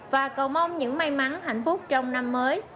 và cầu mong những may mắn hạnh phúc trong năm mới